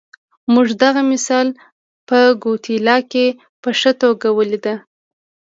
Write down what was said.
موږ دغه مثال په ګواتیلا کې په ښه توګه ولیده.